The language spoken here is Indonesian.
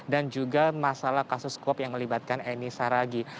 dan juga masalah kasus covid yang melibatkan aini saragi